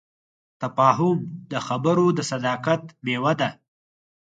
تفاهم د خبرو د صداقت میوه ده.